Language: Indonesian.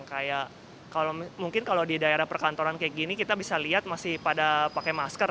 kayak kalau mungkin kalau di daerah perkantoran kayak gini kita bisa lihat masih pada pakai masker